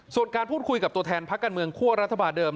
ส่วนการพูดคุยกับตัวแทนพักการเมืองคั่วรัฐบาลเดิม